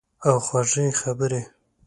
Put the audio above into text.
او خوږې خبرې